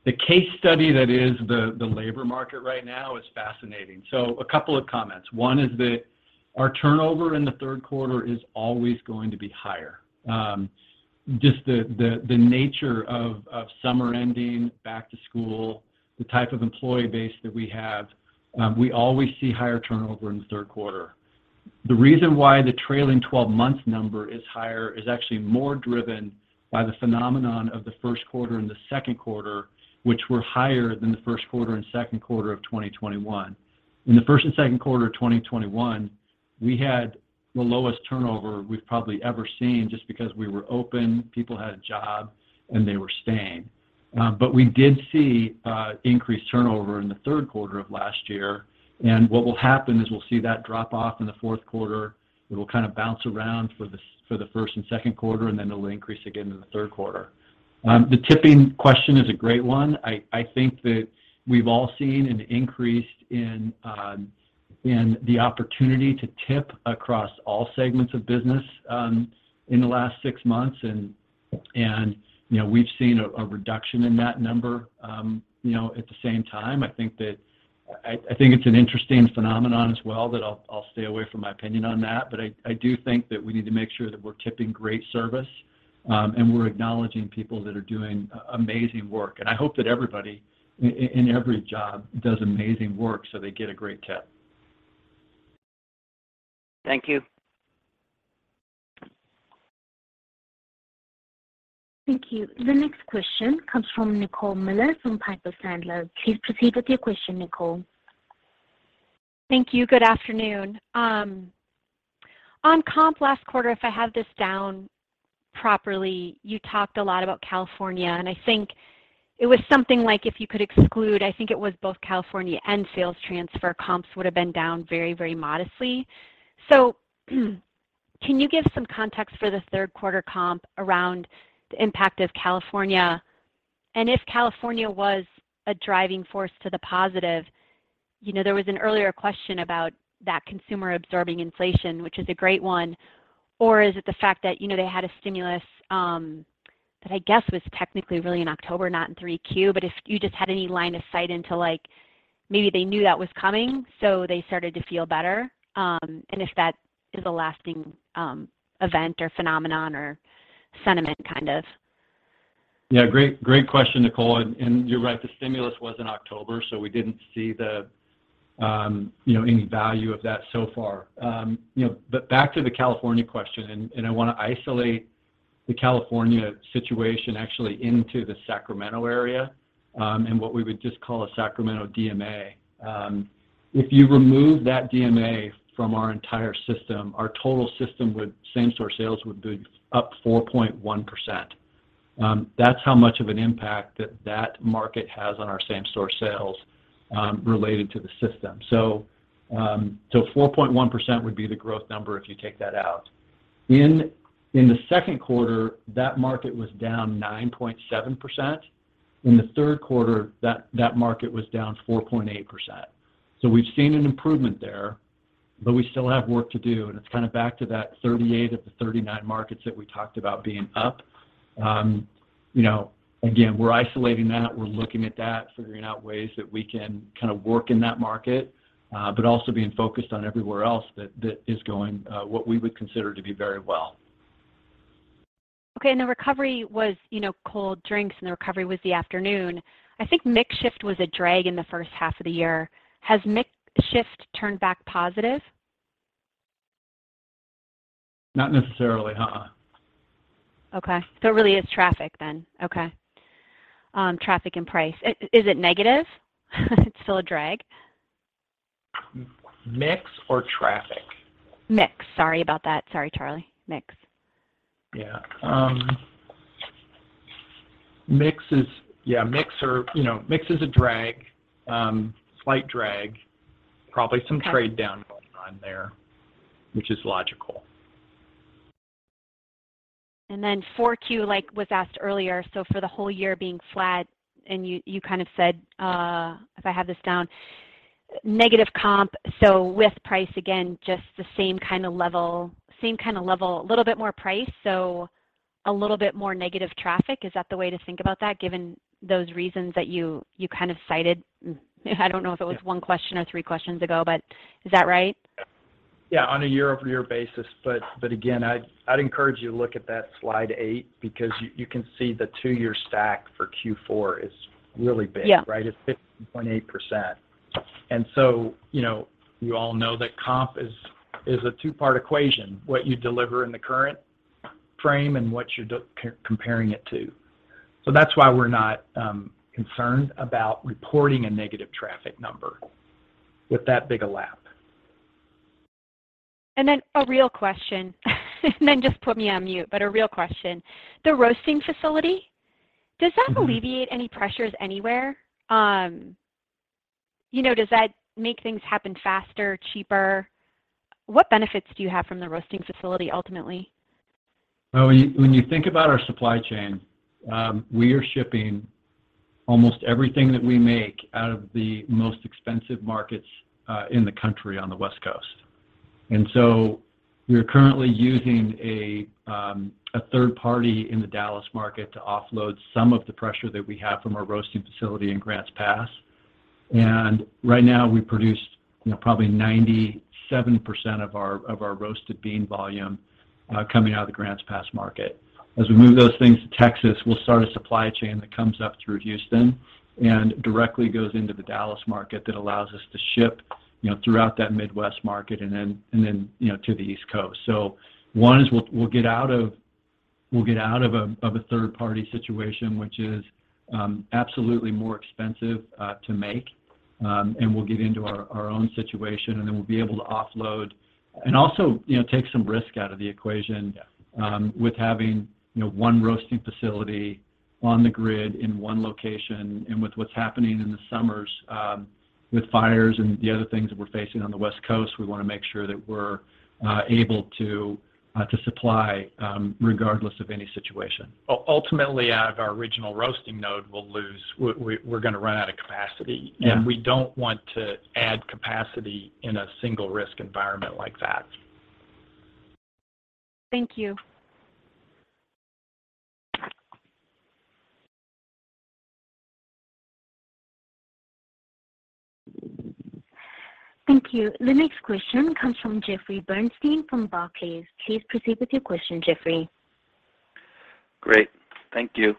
the case study that is the labor market right now is fascinating. A couple of comments. One is that our turnover in the third quarter is always going to be higher. Just the nature of summer ending, back to school, the type of employee base that we have, we always see higher turnover in the third quarter. The reason why the trailing 12 months number is higher is actually more driven by the phenomenon of the first quarter and the second quarter, which were higher than the first quarter and second quarter of 2021. In the first and second quarter of 2021, we had the lowest turnover we've probably ever seen just because we were open, people had a job, and they were staying. We did see increased turnover in the third quarter of last year. What will happen is we'll see that drop off in the fourth quarter. It'll kind of bounce around for the first and second quarter, and then it'll increase again in the third quarter. The tipping question is a great one. I think that we've all seen an increase in the opportunity to tip across all segments of business in the last six months. You know, we've seen a reduction in that number, you know, at the same time. I think it's an interesting phenomenon as well, but I'll stay away from my opinion on that. I do think that we need to make sure that we're tipping great service, and we're acknowledging people that are doing amazing work. I hope that everybody in every job does amazing work, so they get a great tip. Thank you. Thank you. The next question comes from Nicole Miller from Piper Sandler. Please proceed with your question, Nicole. Thank you. Good afternoon. On comp last quarter, if I have this down properly, you talked a lot about California, and I think it was something like if you could exclude, I think it was both California and sales transfer comps would have been down very, very modestly. Can you give some context for the third quarter comp around the impact of California? If California was a driving force to the positive, you know, there was an earlier question about that consumer absorbing inflation, which is a great one. Is it the fact that, you know, they had a stimulus, that I guess was technically really in October, not in 3Q. If you just had any line of sight into like, maybe they knew that was coming, so they started to feel better. If that is a lasting event or phenomenon or sentiment kind of. Yeah, great question, Nicole. You're right, the stimulus was in October, so we didn't see the, you know, any value of that so far. You know, back to the California question, I wanna isolate the California situation actually into the Sacramento area, and what we would just call a Sacramento DMA. If you remove that DMA from our entire system, same-store sales would be up 4.1%. That's how much of an impact that market has on our same-store sales related to the system. 4.1% would be the growth number if you take that out. In the second quarter, that market was down 9.7%. In the third quarter, that market was down 4.8%. We've seen an improvement there, but we still have work to do. It's kind of back to that 38 of the 39 markets that we talked about being up. You know, again, we're isolating that. We're looking at that, figuring out ways that we can kind of work in that market, but also being focused on everywhere else that is going, what we would consider to be very well. Okay. The recovery was, you know, cold drinks, and the recovery was the afternoon. I think mix shift was a drag in the first half of the year. Has mix shift turned back positive? Not necessarily. Okay. It really is traffic then. Okay. Traffic and price. Is it negative? It's still a drag? Mix or traffic? Mix. Sorry about that. Sorry, Charley. Mix. Mix is a drag, you know, slight drag. Okay. Probably some trade down going on there, which is logical. Then 4Q, like was asked earlier, so for the whole year being flat and you kind of said, if I have this down, negative comp, so with price, again, just the same kind of level, a little bit more price, so a little bit more negative traffic. Is that the way to think about that given those reasons that you kind of cited? I don't know if it was one question or three questions ago, but is that right? Yeah. On a year-over-year basis. Again, I'd encourage you to look at that slide eight because you can see the two-year stack for Q4 is really big. Yeah. Right? It's 15.8%. You know, you all know that comp is a two-part equation, what you deliver in the current frame and what you're comparing it to. That's why we're not concerned about reporting a negative traffic number with that big a lap. A real question. Just put me on mute. A real question. The roasting facility, does that alleviate any pressures anywhere? You know, does that make things happen faster, cheaper? What benefits do you have from the roasting facility ultimately? When you think about our supply chain, we are shipping almost everything that we make out of the most expensive markets in the country on the West Coast. We're currently using a third party in the Dallas market to offload some of the pressure that we have from our roasting facility in Grants Pass. Right now, we produce, you know, probably 97% of our roasted bean volume coming out of the Grants Pass market. As we move those things to Texas, we'll start a supply chain that comes up through Houston and directly goes into the Dallas market that allows us to ship, you know, throughout that Midwest market and then, you know, to the East Coast. One is we'll get out of a third party situation, which is absolutely more expensive to make. We'll get into our own situation, and then we'll be able to offload and also, you know, take some risk out of the equation with having, you know, one roasting facility on the grid in one location. With what's happening in the summers with fires and the other things that we're facing on the West Coast, we wanna make sure that we're able to supply regardless of any situation. Ultimately, out of our original roasting node, we're gonna run out of capacity. Yeah. We don't want to add capacity in a single risk environment like that. Thank you. Thank you. The next question comes from Jeffrey Bernstein from Barclays. Please proceed with your question, Jeffrey. Great. Thank you.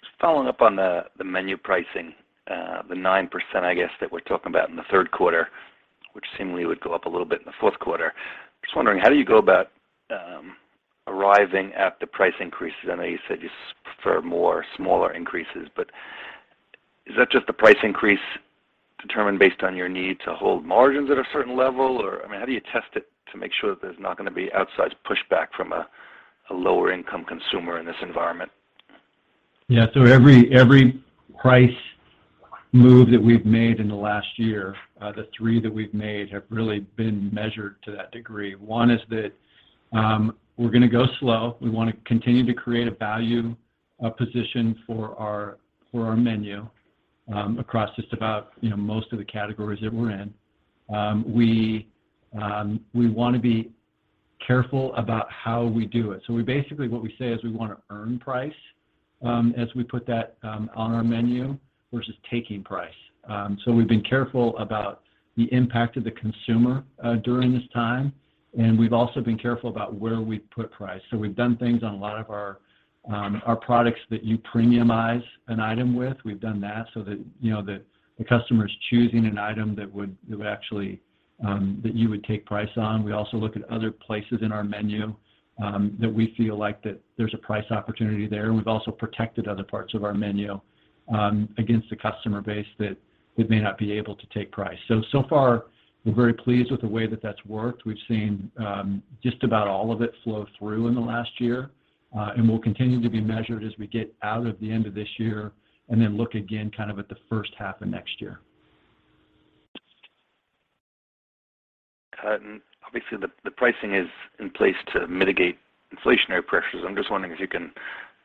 Just following up on the menu pricing, the 9%, I guess, that we're talking about in the third quarter, which seemingly would go up a little bit in the fourth quarter. Just wondering, how do you go about arriving at the price increases? I know you said you prefer more smaller increases, but is that just the price increase determined based on your need to hold margins at a certain level? Or, I mean, how do you test it to make sure that there's not gonna be outsized pushback from a lower income consumer in this environment? Yeah. Every price move that we've made in the last year, the three that we've made have really been measured to that degree. One is that, we're gonna go slow. We wanna continue to create a value position for our menu across just about, you know, most of the categories that we're in. We wanna be careful about how we do it. We basically, what we say is we wanna earn price as we put that on our menu versus taking price. We've been careful about the impact of the consumer during this time, and we've also been careful about where we put price. We've done things on a lot of our products that you premiumize an item with. We've done that so that, you know, the customer's choosing an item that you would actually take price on. We also look at other places in our menu that we feel like there's a price opportunity there. We've also protected other parts of our menu against the customer base that we may not be able to take price. So far we're very pleased with the way that that's worked. We've seen just about all of it flow through in the last year. We'll continue to be measured as we get out of the end of this year, and then look again kind of at the first half of next year. Obviously, the pricing is in place to mitigate inflationary pressures. I'm just wondering if you can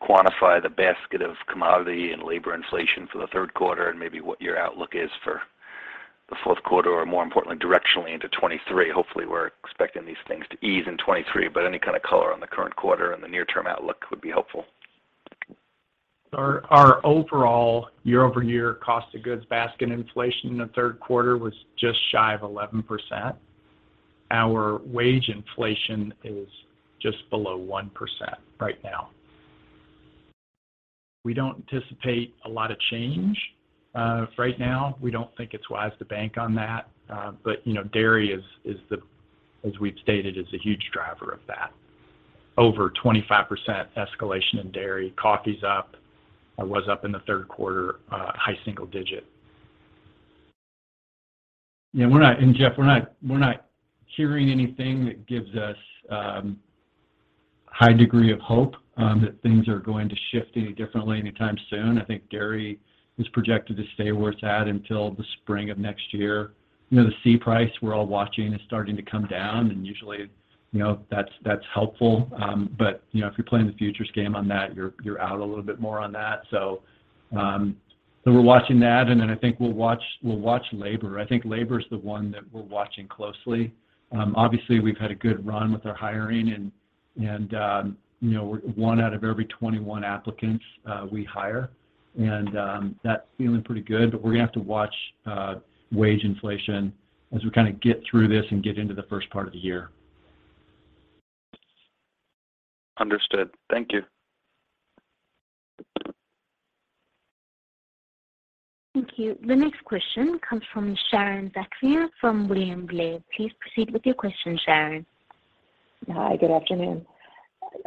quantify the basket of commodity and labor inflation for the third quarter and maybe what your outlook is for the fourth quarter or more importantly, directionally into 2023. Hopefully, we're expecting these things to ease in 2023. Any kind of color on the current quarter and the near term outlook would be helpful. Our overall year-over-year cost of goods basket inflation in the third quarter was just shy of 11%. Our wage inflation is just below 1% right now. We don't anticipate a lot of change right now. We don't think it's wise to bank on that. But you know, dairy as we've stated, is a huge driver of that. Over 25% escalation in dairy. Coffee's up. It was up in the third quarter, high single-digit. Jeff, we're not hearing anything that gives us high degree of hope that things are going to shift any differently anytime soon. I think dairy is projected to stay where it's at until the spring of next year. You know, the C-price we're all watching is starting to come down, and usually, you know, that's helpful. But you know, if you're playing the futures game on that, you're out a little bit more on that. We're watching that, and then I think we'll watch labor. I think labor is the one that we're watching closely. Obviously, we've had a good run with our hiring and you know, one out of every 21 applicants we hire, and that's feeling pretty good. We're gonna have to watch wage inflation as we kind of get through this and get into the first part of the year. Understood. Thank you. Thank you. The next question comes from Sharon Zackfia from William Blair. Please proceed with your question, Sharon. Hi, good afternoon.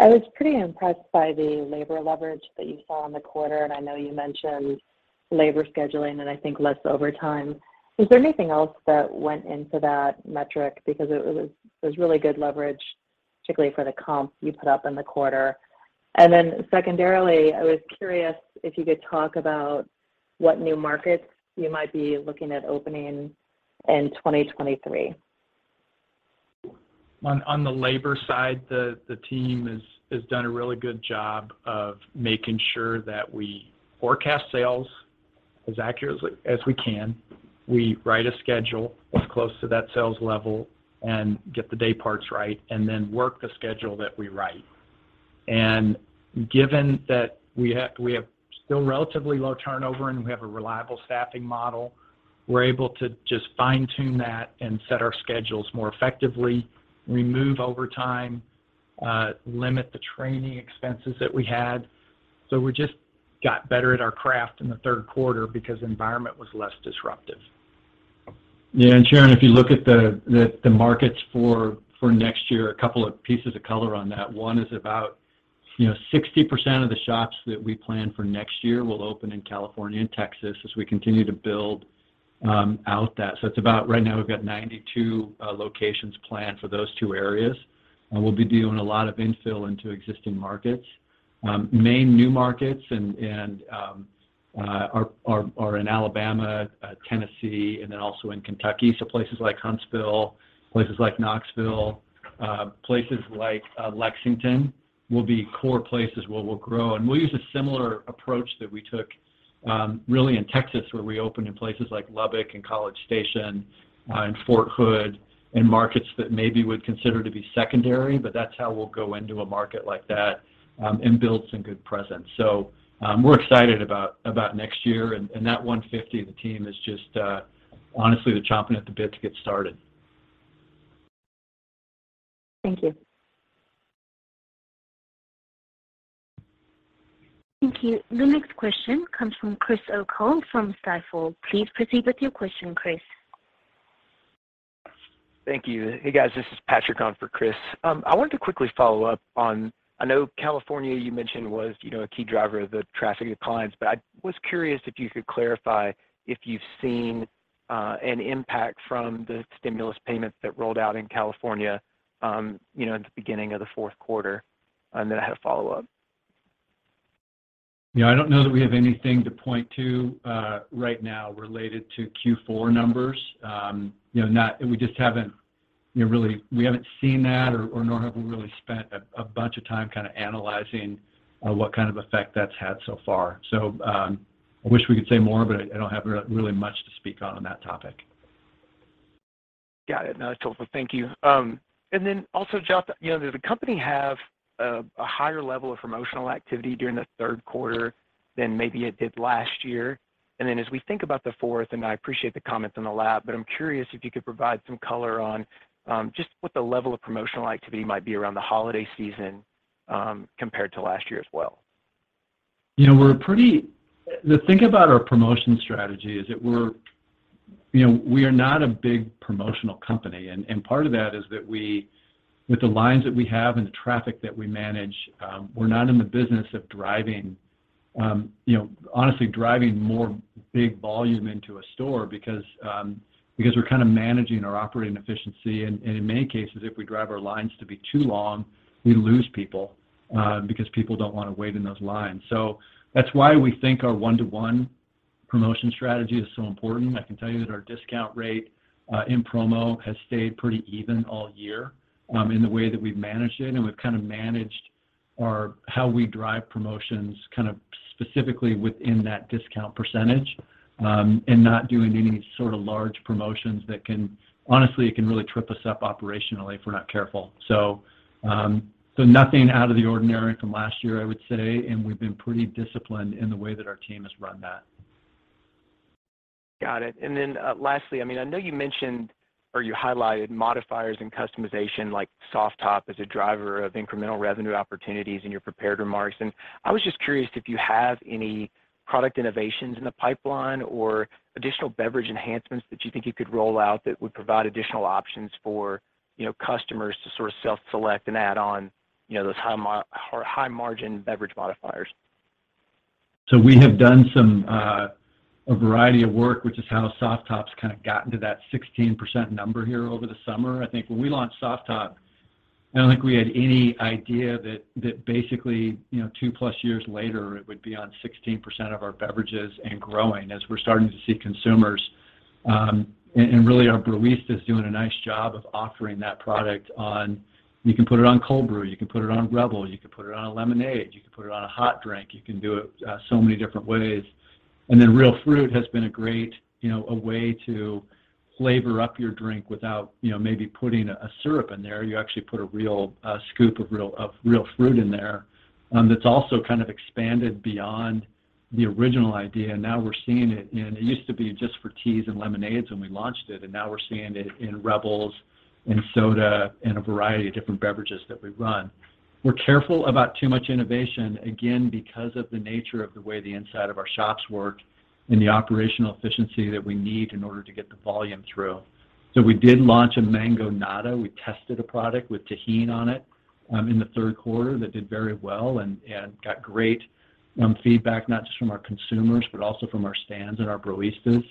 I was pretty impressed by the labor leverage that you saw in the quarter, and I know you mentioned labor scheduling and I think less overtime. Is there anything else that went into that metric because it was really good leverage, particularly for the comp you put up in the quarter. Secondarily, I was curious if you could talk about what new markets you might be looking at opening in 2023. On the labor side, the team has done a really good job of making sure that we forecast sales as accurately as we can. We write a schedule that's close to that sales level and get the dayparts right and then work the schedule that we write. Given that we have still relatively low turnover, and we have a reliable staffing model, we're able to just fine-tune that and set our schedules more effectively, remove overtime, limit the training expenses that we had. We just got better at our craft in the third quarter because the environment was less disruptive. Yeah, Sharon, if you look at the markets for next year, a couple of pieces of color on that. One is about, you know, 60% of the shops that we plan for next year will open in California and Texas as we continue to build out that. It's about right now, we've got 92 locations planned for those two areas. We'll be doing a lot of infill into existing markets. Main new markets and are in Alabama, Tennessee, and then also in Kentucky. Places like Huntsville, places like Knoxville, places like Lexington will be core places where we'll grow. We'll use a similar approach that we took really in Texas, where we opened in places like Lubbock and College Station, in Fort Hood, in markets that maybe would consider to be secondary, but that's how we'll go into a market like that, and build some good presence. We're excited about next year and that 150, the team is just honestly, they're chomping at the bit to get started. Thank you. Thank you. The next question comes from Chris O'Cull from Stifel. Please proceed with your question, Chris. Thank you. Hey, guys. This is Patrick on for Chris. I wanted to quickly follow up on. I know California you mentioned was you know a key driver of the traffic declines, but I was curious if you could clarify if you've seen an impact from the stimulus payments that rolled out in California you know in the beginning of the fourth quarter. Then I had a follow-up. Yeah, I don't know that we have anything to point to right now related to Q4 numbers. You know, we just haven't, you know, we haven't seen that or nor have we really spent a bunch of time kind of analyzing what kind of effect that's had so far. I wish we could say more, but I don't have really much to speak on that topic. Got it. No, it's all good. Thank you. Also, Joth, you know, does the company have a higher level of promotional activity during the third quarter than maybe it did last year? As we think about the fourth, I appreciate the comments on the lab, but I'm curious if you could provide some color on just what the level of promotional activity might be around the holiday season, compared to last year as well. The thing about our promotion strategy is that we are not a big promotional company. Part of that is that we, with the lines that we have and the traffic that we manage, we're not in the business of honestly driving more big volume into a store because we're kind of managing our operating efficiency. In many cases, if we drive our lines to be too long, we lose people because people don't want to wait in those lines. That's why we think our one-to-one promotion strategy is so important. I can tell you that our discount rate in promo has stayed pretty even all year in the way that we've managed it. We've kind of managed how we drive promotions kind of specifically within that discount percentage, and not doing any sort of large promotions that can, honestly, it can really trip us up operationally if we're not careful. Nothing out of the ordinary from last year, I would say, and we've been pretty disciplined in the way that our team has run that. Got it. Lastly, I mean, I know you mentioned or you highlighted modifiers and customization like Soft Top as a driver of incremental revenue opportunities in your prepared remarks. I was just curious if you have any product innovations in the pipeline or additional beverage enhancements that you think you could roll out that would provide additional options for, you know, customers to sort of self-select and add on, you know, those high-margin beverage modifiers? We have done some a variety of work, which is how Soft Top's kind of gotten to that 16% number here over the summer. I think when we launched Soft Top, I don't think we had any idea that basically, you know, 2+ years later, it would be on 16% of our beverages and growing as we're starting to see consumers, and really our baristas doing a nice job of offering that product on. You can put it on Cold Brew, you can put it on Rebel, you can put it on a lemonade, you can put it on a hot drink, you can do it so many different ways. Then Real Fruit has been a great, you know, a way to flavor up your drink without, you know, maybe putting a syrup in there. You actually put a scoop of Real Fruit in there, that's also kind of expanded beyond the original idea. Now we're seeing it in. It used to be just for teas and lemonades when we launched it, and now we're seeing it in Rebels, in Soda, in a variety of different beverages that we run. We're careful about too much innovation, again, because of the nature of the way the inside of our shops work and the operational efficiency that we need in order to get the volume through. We did launch a Mangonada. We tested a product with Tajín on it, in the third quarter that did very well and got great feedback, not just from our consumers, but also from our stands and our baristas.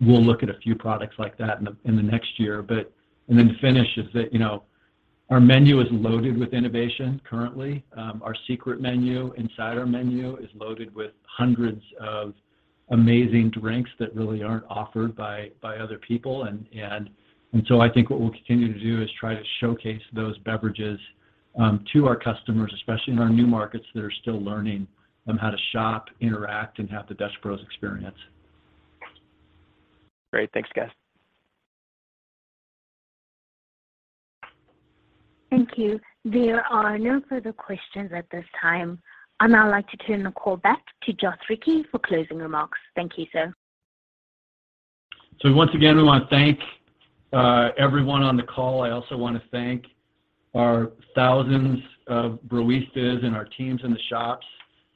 We'll look at a few products like that in the next year. Our menu is loaded with innovation currently, you know. Our Secret Menu inside our menu is loaded with hundreds of amazing drinks that really aren't offered by other people. So I think what we'll continue to do is try to showcase those beverages to our customers, especially in our new markets that are still learning how to shop, interact, and have the Dutch Bros experience. Great. Thanks, guys. Thank you. There are no further questions at this time. I'd now like to turn the call back to Joth Ricci for closing remarks. Thank you, sir. Once again, we wanna thank everyone on the call. I also wanna thank our thousands of baristas and our teams in the shops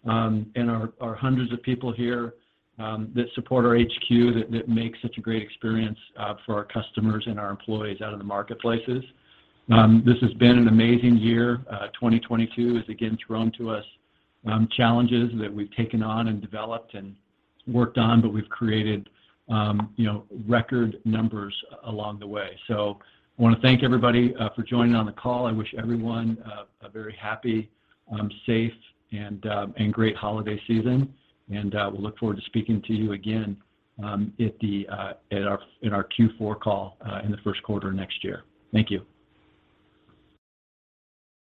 and our hundreds of people here that support our HQ that make such a great experience for our customers and our employees out in the marketplaces. This has been an amazing year. 2022 has again thrown to us challenges that we've taken on and developed and worked on, but we've created you know, record numbers along the way. I wanna thank everybody for joining on the call. I wish everyone a very happy, safe, and great holiday season, and we look forward to speaking to you again in our Q4 call in the first quarter next year. Thank you.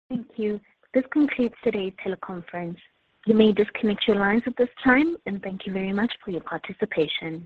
Thank you. This concludes today's teleconference. You may disconnect your lines at this time, and thank you very much for your participation.